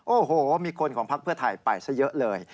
โอ้โหมีคนของพักเพื่อไทยไปซะเยอะเลย